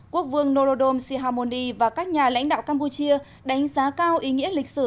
quốc vương norodom sihamondi và các nhà lãnh đạo campuchia đánh giá cao ý nghĩa lịch sử